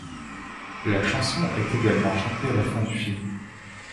La chanson est également chantée à la fin du film.